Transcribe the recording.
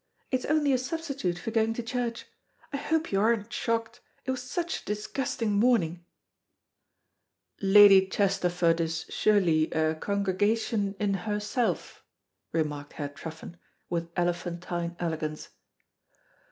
It is only a substitute for going to church. I hope you aren't shocked; it was such a disgusting morning." "Lady Chesterford is surely a congregation in herself," remarked Herr Truffen, with elephantine elegance.